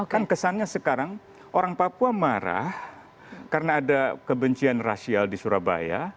kan kesannya sekarang orang papua marah karena ada kebencian rasial di surabaya